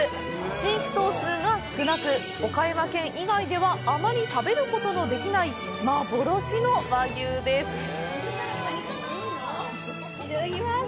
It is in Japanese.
飼育頭数が少なく、岡山県以外ではあまり食べることのできない幻の和牛です。